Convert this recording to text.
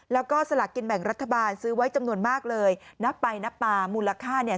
แล้วก็สลากกินแบ่งรัฐบาลซื้อไว้จำนวนมากเลยนับไปนับมามูลค่าเนี่ย